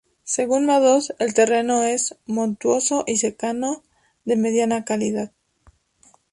Según Madoz, "el terreno es "montuoso" y secano, de mediana calidad".